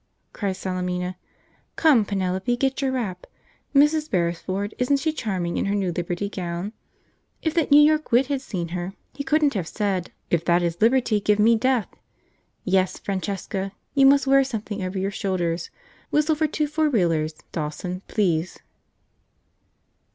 cried Salemina. "Come, Penelope, get your wrap. Mrs. Beresford, isn't she charming in her new Liberty gown? If that New York wit had seen her, he couldn't have said, 'If that is Liberty, give me Death!' Yes, Francesca, you must wear something over your shoulders. Whistle for two four wheelers, Dawson, please."